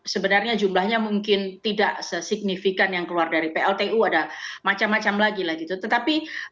sebenarnya jumlahnya mungkin tidak sesignifikan yang keluar dari pltu ada macam macam lagi lah gitu tetapi